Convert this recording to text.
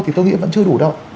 thì tôi nghĩ vẫn chưa đủ đâu